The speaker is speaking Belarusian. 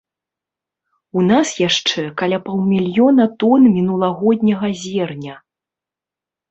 У нас яшчэ каля паўмільёна тон мінулагодняга зерня.